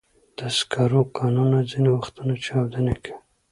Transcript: د سکرو کانونه ځینې وختونه چاودنې کوي.